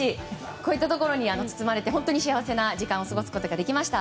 こういったところに包まれて本当に幸せな時間を過ごすことができました。